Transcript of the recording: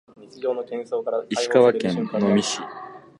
石川県能美市